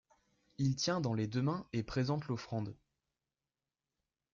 Il tient dans les deux mains et présente l’offrande.